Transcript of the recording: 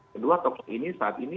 kedua tokoh ini saat ini